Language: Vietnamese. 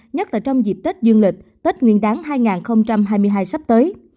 nhất là trong dịp tết dương lịch tết nguyên đáng hai nghìn hai mươi hai sắp tới